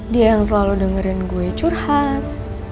dia yang selalu dengerin gue curhat